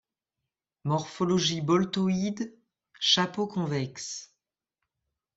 Morphologie boletoïde, chapeau convexe.